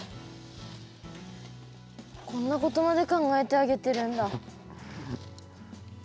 こんなことまで考えてあげてるんだ。